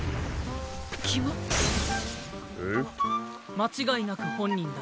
間違いなく本人だ。